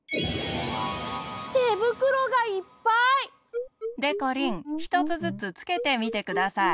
てぶくろがいっぱい！でこりんひとつずつつけてみてください。